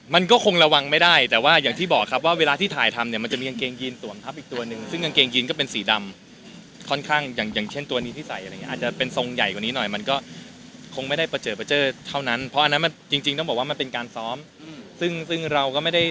มันก็คงระวังไม่ได้แต่ว่าอย่างที่บอกครับว่าเวลาที่ถ่ายทำเนี่ยมันจะมีกางเกงยีนตวมทับอีกตัวหนึ่งซึ่งกางเกงยีนก็เป็นสีดำค่อนข้างอย่างอย่างเช่นตัวนี้ที่ใส่อะไรอย่างเงี้อาจจะเป็นทรงใหญ่กว่านี้หน่อยมันก็คงไม่ได้ประเจิดประเจอเท่านั้นเพราะอันนั้นมันจริงต้องบอกว่ามันเป็นการซ้อมซึ่งซึ่งเราก็ไม่ได้